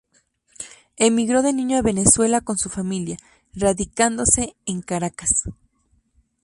Emigró de niño a Venezuela con su familia, radicándose en Caracas.